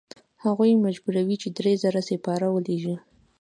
هغوی مجبوروي چې درې زره سپاره ولیږي.